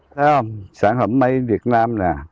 thấy không sản phẩm mây việt nam nè